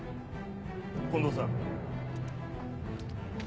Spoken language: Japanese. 近藤さん。